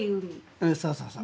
うんそうそうそう。